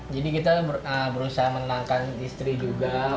jadi kita berusaha menenangkan istri juga